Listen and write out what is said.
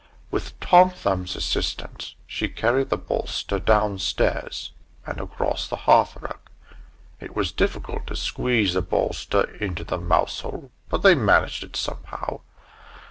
With Tom Thumbs's assistance she carried the bolster downstairs, and across the hearth rug. It was difficult to squeeze the bolster into the mouse hole; but they managed it somehow.